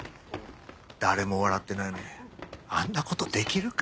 誰も笑ってないのにあんなことできるか？